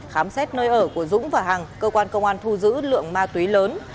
khám xét nơi ở của dũng và hằng cơ quan công an thu giữ lượng ma túy lớn